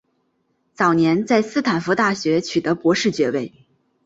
早年在斯坦福大学取得博士学位。